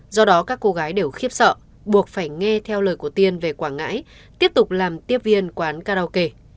do đó các cô gái đều khiếp sợ buộc phải nghe theo lời của tiên về quảng ngãi tiếp tục làm tiếp viên quán karaoke